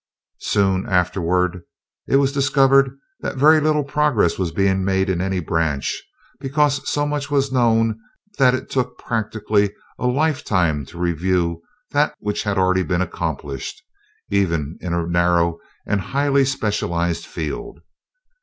Soon afterward, it was discovered that very little progress was being made in any branch, because so much was known that it took practically a lifetime to review that which had already been accomplished, even in a narrow and highly specialized field.